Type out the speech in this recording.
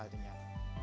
saya tidak tahu